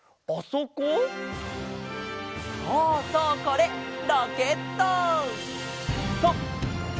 そうそうこれロケット！